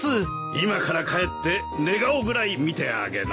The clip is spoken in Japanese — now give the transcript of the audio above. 今から帰って寝顔ぐらい見てあげな。